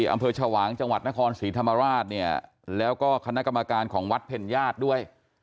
อำเภอชวางจังหวัดนครศรีธรรมราชเนี่ยแล้วก็คณะกรรมการของวัดเพ็ญญาติด้วย